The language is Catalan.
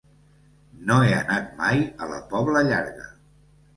No he anat mai a la Pobla Llarga.